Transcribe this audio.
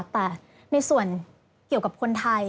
แต่ในส่วนเกี่ยวกับคนไทย